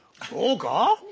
そうか？